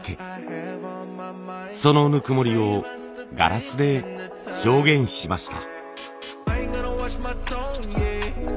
そのぬくもりをガラスで表現しました。